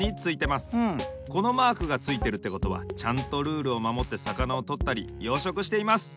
このマークがついてるってことはちゃんとルールをまもってさかなをとったり養殖しています。